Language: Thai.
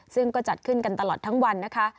ซึ่งก็จัดขึ้นกันตลอดทั้งวันนะคะ